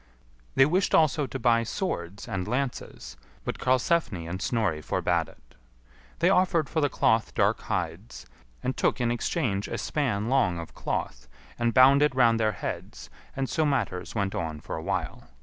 They wished also to buy swords and lances, but Karlsefni and Snorri forbad it. They offered for the cloth dark hides, and took in exchange a span long of cloth, and bound it round their heads; and so matters went on for a while.